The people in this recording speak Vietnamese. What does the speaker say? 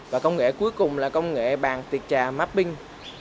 và công nghệ cuối cùng là công nghệ bàn tiệc trà mapping